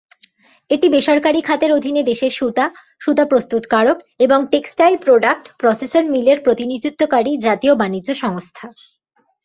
এটি বেসরকারী খাতের অধীনে দেশের সুতা, সুতা প্রস্তুতকারক এবং টেক্সটাইল প্রোডাক্ট প্রসেসর মিলের প্রতিনিধিত্বকারী জাতীয় বাণিজ্য সংস্থা।